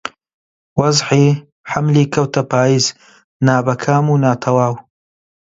وەزعی حەملی کەوتە پاییز نابەکام و ناتەواو